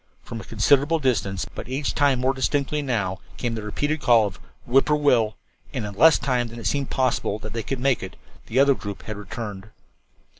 From a considerable distance, but each time more distinctly, now came the repeated call of "Whip poor will," and in less time than it seemed possible that they could make it, the other group had returned.